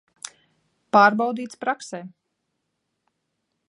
Pārbaudīts praksē.